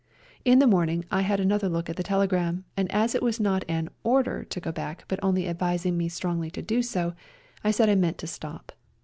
In the morning I had another look at the telegram, and as it was not an order to go back, but only advising me strongly to do so, I said I meant to stop.